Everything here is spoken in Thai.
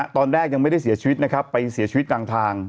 ตอนแรกยังไม่ได้เสียชีวิตนะครับไปเสียชีวิตกลางทาง